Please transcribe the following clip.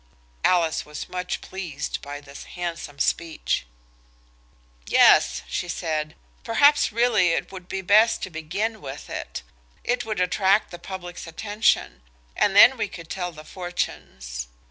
Alice was much pleased by this handsome speech. "Yes," she said; "perhaps really it would be best to begin with it. It would attract the public's attention, and then we could tell the fortunes.